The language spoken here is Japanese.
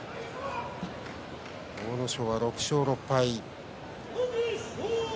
阿武咲は６勝６敗。